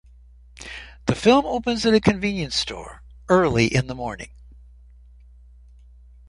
The film opens at a convenience store early in the morning.